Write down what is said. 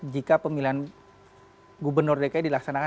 jika pemilihan gubernur dki itu dianggap publik